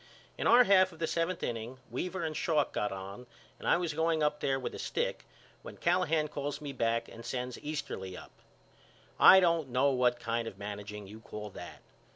In our half of the seventh inning Weaver and Schalk got on and I was going up there with a stick when Callahan calls me back and sends Easterly up. I don't know what kind of managing you call that.